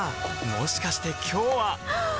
もしかして今日ははっ！